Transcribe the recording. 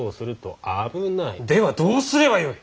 ではどうすればよい。